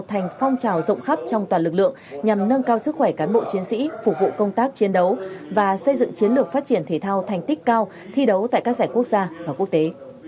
thành phong trào rộng khắp trong toàn lực lượng nhằm nâng cao sức khỏe cán bộ chiến sĩ phục vụ công tác chiến đấu và xây dựng chiến lược phát triển thể thao thành tích cao thi đấu tại các giải quốc gia và quốc tế